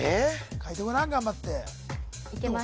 書いてごらん頑張っていけます